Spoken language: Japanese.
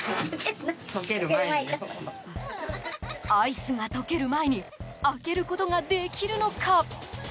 アイスが溶ける前に開けることができるのか？